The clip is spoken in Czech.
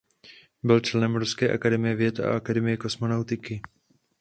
Byl členem Ruské akademie věd a Akademie kosmonautiky.